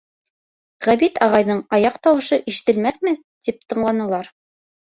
Ғәбит ағайҙың аяҡ тауышы ишетелмәҫме, тип тыңланылар.